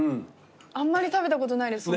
あんまり食べたことないです